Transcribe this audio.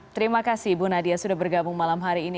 terima kasih bu nadia sudah bergabung malam hari ini